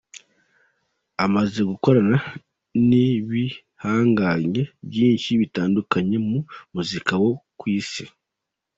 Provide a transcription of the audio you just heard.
Amaze gukorana n’ibihangange byinshi bitandukanye mu muziki wo ku Isi.